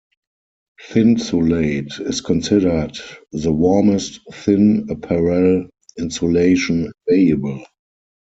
Thinsulate is considered "the warmest thin apparel insulation" available.